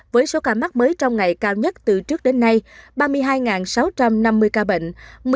với số ca mắc mới trong ngày cao nhất từ trước đến nay ba mươi hai sáu trăm năm mươi ca bệnh